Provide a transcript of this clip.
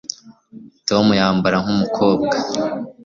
tom yambara nkumukobwa